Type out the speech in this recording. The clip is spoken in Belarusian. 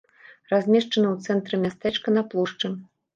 Размешчаны ў цэнтры мястэчка, на плошчы.